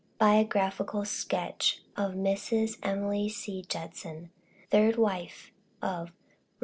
BIOGRAPHICAL SKETCH OF MRS. EMILY C. JUDSON. THIRD WIFE OF REV.